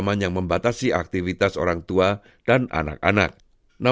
dan kita memiliki piktogram di mana mana yang bisa